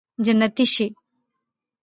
جنتي شې